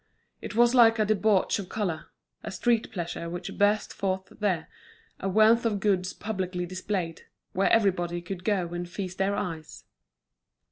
It was like a debauch of colour, a street pleasure which burst forth there, a wealth of goods publicly displayed, where everybody could go and feast their eyes.